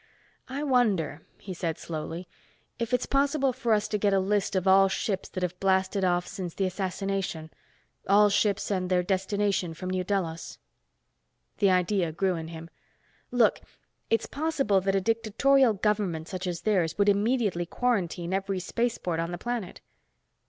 "I wonder," he said slowly, "if it's possible for us to get a list of all ships that have blasted off since the assassination, all ships and their destination from New Delos." The idea grew in him. "Look! It's possible that a dictatorial government such as theirs would immediately quarantine every spaceport on the planet."